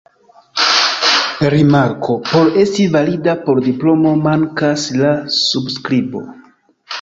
Rimarko: por esti valida por diplomo mankas la subskribo.